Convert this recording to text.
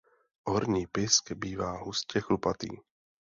Horní pysk bývá hustě chlupatý.